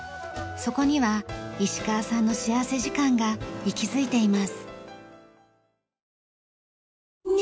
そこには石川さんの幸福時間が息づいています。